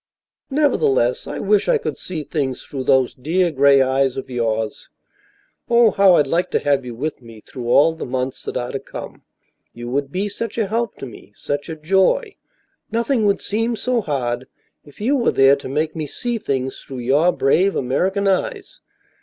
"Nevertheless, I wish I could see things through those dear gray eyes of yours. Oh, how I'd like to have you with me through all the months that are to come. You would be such a help to me such a joy. Nothing would seem so hard if you were there to make me see things through your brave American eyes."